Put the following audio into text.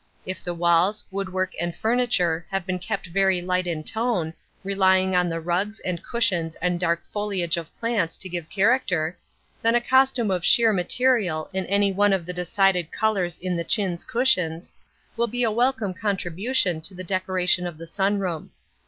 If the walls, woodwork and furniture have been kept very light in tone, relying on the rugs and cushions and dark foliage of plants to give character, then a costume of sheer material in any one of the decided colours in the chintz cushions, will be a welcome contribution to the decoration of the sun room.